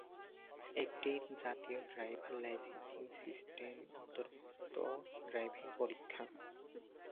একটি জাতীয় driver licensing system অন্তর্ভুক্ত ড্রাইভিং পরীক্ষা।